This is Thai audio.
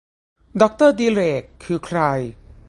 ดอกเตอร์ดิเรก คือใคร